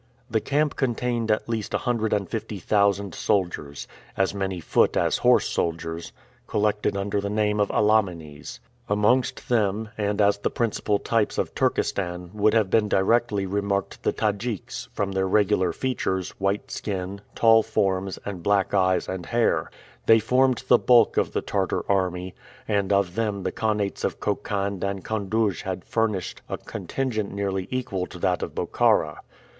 The camp contained at least a hundred and fifty thousand soldiers, as many foot as horse soldiers, collected under the name of Alamanes. Amongst them, and as the principal types of Turkestan, would have been directly remarked the Tadjiks, from their regular features, white skin, tall forms, and black eyes and hair; they formed the bulk of the Tartar army, and of them the khanats of Khokhand and Koundouge had furnished a contingent nearly equal to that of Bokhara.